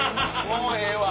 もうええわ。